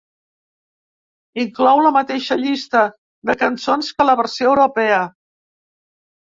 Inclou la mateixa llista de cançons que la versió europea.